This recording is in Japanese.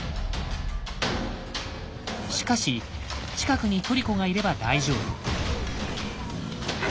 しかし近くにトリコがいれば大丈夫。